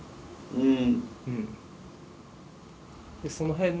うん。